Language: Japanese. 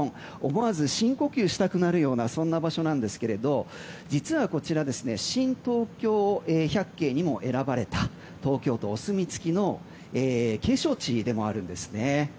思わず深呼吸したくなるような場所なんですけど実は、こちら新東京百景にも選ばれた東京都お墨付きの景勝地でもあるんですね。